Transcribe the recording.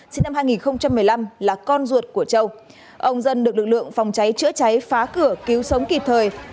sinh năm hai nghìn một mươi năm là con ruột của châu ông dân được lực lượng phòng cháy chữa cháy phá cửa cứu sống kịp thời